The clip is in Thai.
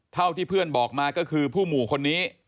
เท่าที่เพื่อนบอกมาก็คือผู้หมู่คนนี้